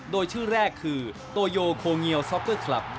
โดยชื่อแรกคือโตโยโคเงียวซ็อกเกอร์คลับ